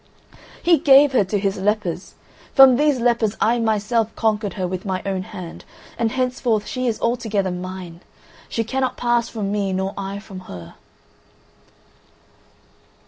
"He gave her to his lepers. From these lepers I myself conquered her with my own hand; and henceforth she is altogether mine. She cannot pass from me nor I from her."